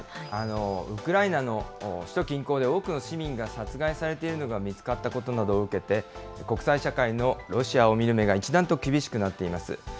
ウクライナの首都近郊で多くの市民が殺害されているのが見つかったことなどを受けて、国際社会のロシアを見る目が、一段と厳しくなっています。